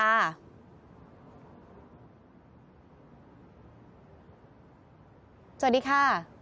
สวัสดีค่ะ